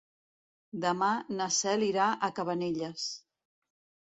Demà na Cel irà a Cabanelles.